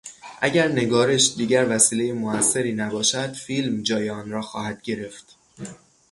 اگر نگارش دیگر وسیلهی موثری نباشد فیلم جای آن را خواهد گرفت.